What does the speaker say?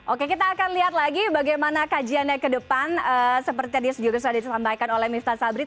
oke kita akan lihat lagi bagaimana kajiannya ke depan seperti tadi juga sudah disampaikan oleh miftah sabri